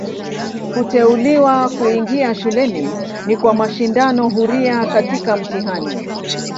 Kuteuliwa kuingia shuleni ni kwa mashindano huria katika mtihani.